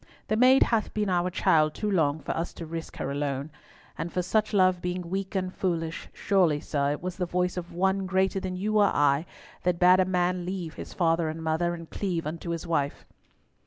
The maid hath been our child too long for us to risk her alone. And for such love being weak and foolish, surely, sir, it was the voice of One greater than you or I that bade a man leave his father and mother and cleave unto his wife."